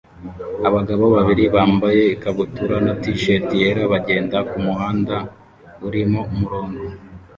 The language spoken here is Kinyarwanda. Abagabo babiri bambaye ikabutura na t-shati yera bagenda kumuhanda urimo umurongo